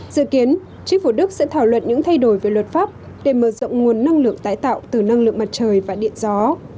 dự kiến chính phủ đức sẽ thảo luận những thay đổi về luật pháp để mở rộng nguồn năng lượng tái tạo từ năng lượng mặt trời và điện gió